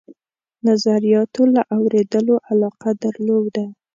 نظریاتو له اورېدلو علاقه درلوده.